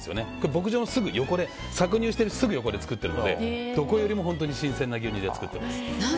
牧場のすぐ横、搾乳しているすぐ横で作ってるのでどこよりも本当に新鮮な牛乳で作っています。